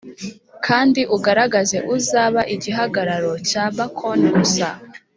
kandi ugaragaze uzaba igihagararo cya bacon gusa. "